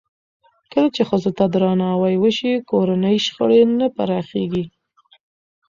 کله چې ښځو ته درناوی وشي، کورني شخړې نه پراخېږي.